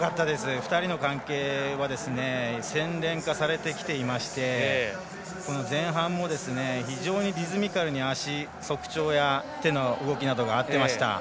２人の関係は洗練化されてきていまして前半も非常にリズミカルに足、足調や手の動きなどが合っていました。